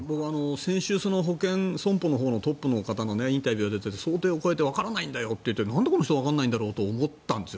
先週、保険、損保のほうのトップの方のインタビューで想定を超えてわからないんだよと言ってなんでわからないんだと思ったんです。